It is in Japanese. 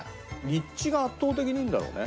立地が圧倒的にいいんだろうね。